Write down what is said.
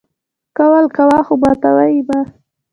قول کوه خو ماتوه یې مه!